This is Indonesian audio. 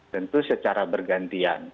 tentu secara bergantian